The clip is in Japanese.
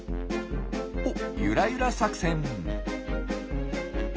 おっゆらゆら作戦。